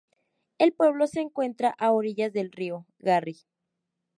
El pueblo se encuentra a orillas del río Garry.